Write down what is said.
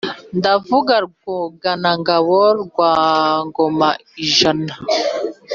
Ndavuga Rwogana-ngabo rwa Ngoma ijana,